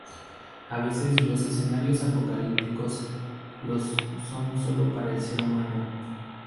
A veces los escenarios apocalípticos lo son sólo para el ser humano.